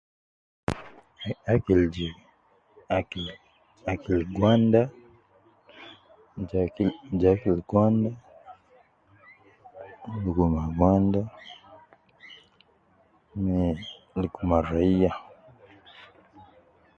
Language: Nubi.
Akil je akil ,akil gwanda, je akil je akil gwanda, luguma gwanda